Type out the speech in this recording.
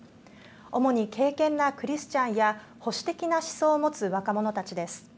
主に敬けんなクリスチャンや保守的な思想を持つ若者たちです。